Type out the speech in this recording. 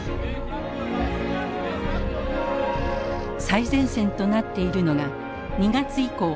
最前線となっているのが２月以降対